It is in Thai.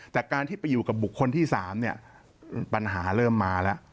แต่การที่ไปอยู่กับบุคคลที่๓เนี่ยปัญหาเริ่มมาแล้ว